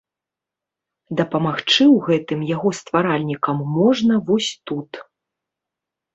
Дапамагчы ў гэтым яго стваральнікам можна вось тут.